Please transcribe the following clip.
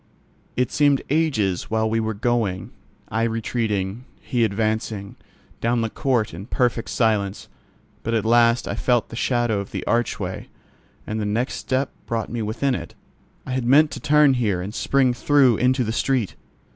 It seemed ages while we were going, I retreating, he advancing, down the court in perfect silence; but at last I felt the shadow of the archway, and the next step brought me within it. I had meant to turn here and spring through into the street.